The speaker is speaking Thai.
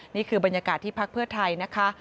นี่คือบรรยากาศที่พักเพื่อไทยนะคะ